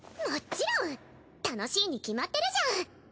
もちろん楽しいに決まってるじゃん！